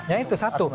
ya itu satu